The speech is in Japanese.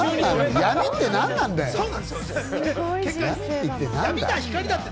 闇って何なんだよな。